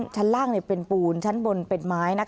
ชั้นล่างเป็นปูนชั้นบนเป็นไม้